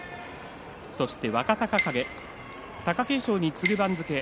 そして若隆景貴景勝に次ぐ番付。